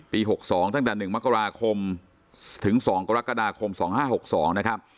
ปีหกสองตั้งแต่หนึ่งมกราคมถึงสองกรกฎาคมสองห้าหกสองนะครับ